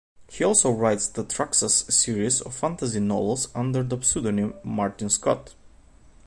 He also writes the Thraxas series of fantasy novels under the pseudonym Martin Scott.